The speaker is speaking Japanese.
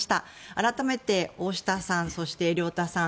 改めて、大下さんそして亮太さん